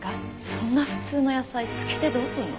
そんな普通の野菜漬けてどうすんの？